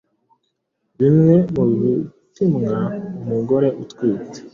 bimwe mu bipimwa umugore utwite